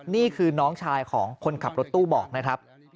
นี่คือน้องชายของคนขับรถตู้บอกนะครับ